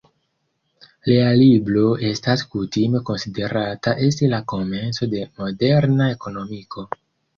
Lia libro estas kutime konsiderata esti la komenco de moderna ekonomiko.